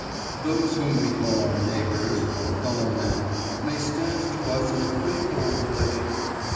Those whom we call our neighbors, our fellow men, may stand to us in a threefold relation.